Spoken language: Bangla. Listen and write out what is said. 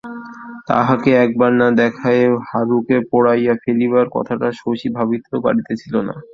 তাহাকে একবার না দেখাইয়া হারুকে পোড়াইয়া ফেলিবার কথাটা শশী ভাবিতেও পারিতেছিল না।